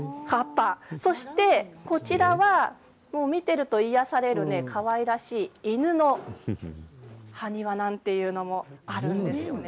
そしてこちらは見ていると癒やされる、かわいらしい犬の埴輪なんていうのもあるんです。